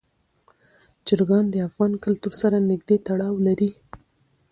چرګان د افغان کلتور سره نږدې تړاو لري.